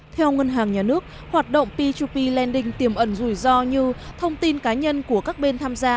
theo ngân hàng nhà nước hoạt động p hai p lending tiềm ẩn rủi ro như thông tin cá nhân của các bên tham gia